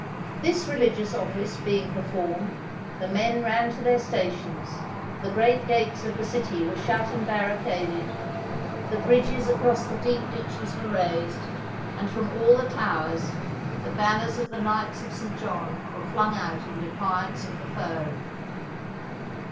This religious office being per THE SIEGE OP RHODES formed, the men ran to their stations, the great gates of the city were shut and barricaded, the bridges across the deep ditches were raised, and from all the towers the banners of the Knights of St. John were flung out in defiance of the foe.